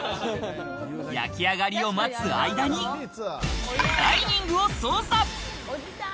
焼き上がりを待つ間にダイニングを捜査。